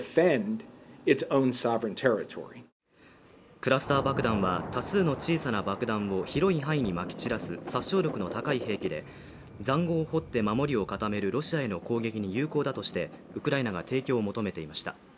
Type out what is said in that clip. クラスター爆弾は多数の小さな爆弾を広い範囲にまき散らす殺傷力の高い兵器でざんごうを掘って守りを固めるロシアへの攻撃に有効だとして、ウクライナが提供を求めていました。